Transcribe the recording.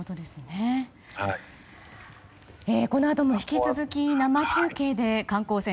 このあとも引き続き生中継で観光船